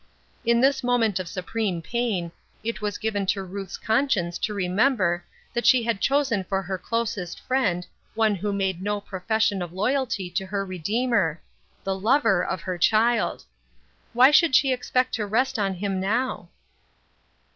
In this moment of supreme pain, it was given to Ruth's conscience to remember that she had chosen for her closest friend one who made no profession of loyalty to her Redeemer — the Lover of her child. Why should she expect to rest on him now